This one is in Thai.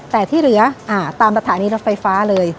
แต่ที่เหลือตามสถานีรถไฟฟ้าเลย